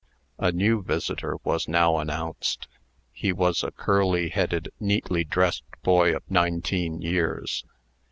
A new visitor was now announced. He was a curly headed, neatly dressed boy of nineteen years.